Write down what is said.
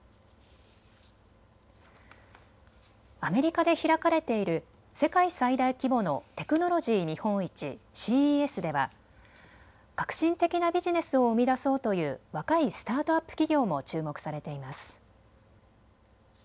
アメリカで開かれている世界最大規模のテクノロジー見本市、ＣＥＳでは革新的なビジネスを生み出そうという若いスタートアップ企業も注目されています。